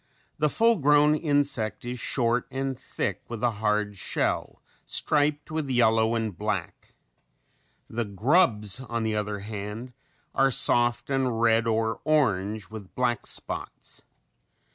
The full grown insect is short and thick with a hard shell, striped with yellow and black. The grubs, on the other hand, are soft and red or orange with black spots.